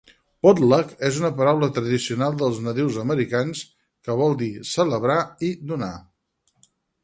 Potlach és una paraula tradicional dels nadius americans que vol dir "celebrar" i "donar".